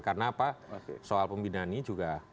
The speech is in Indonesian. karena apa soal pemindahan ini juga